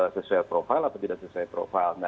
sesuai profil atau tidak sesuai profil